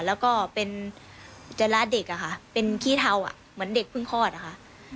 แล้วก็เป็นจราเด็กอะค่ะเป็นขี้เทาเหมือนเด็กเพิ่งคลอดอะค่ะ